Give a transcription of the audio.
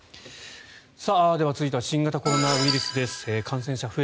では、続いては新型コロナウイルスです。